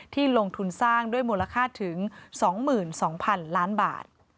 ลงทุนสร้างด้วยมูลค่าถึง๒๒๐๐๐ล้านบาท